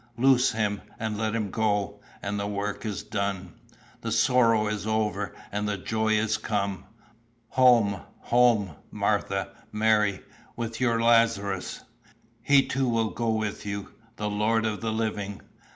'Loose him and let him go,' and the work is done. The sorrow is over, and the joy is come. Home, home, Martha, Mary, with your Lazarus! He too will go with you, the Lord of the Living.